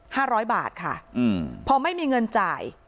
ห้าร้อยบาทค่ะอืมพอไม่มีเงินจ่าย